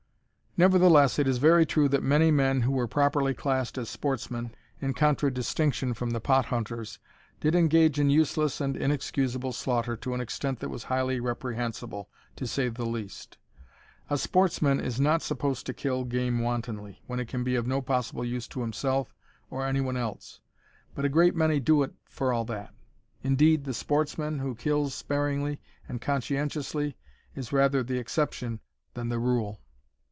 Nevertheless it is very true that many men who were properly classed as sportsmen, in contradistinction from the pot hunters, did engage in useless and inexcusable slaughter to an extent that was highly reprehensible, to say the least. A sportsman is not supposed to kill game wantonly, when it can be of no possible use to himself or any one else, but a great many do it for all that. Indeed, the sportsman who kills sparingly and conscientiously is rather the exception than the rule.